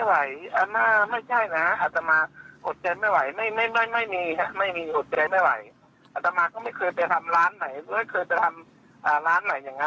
อีกนิดทีที่ร้านก้าวบาทนะคะ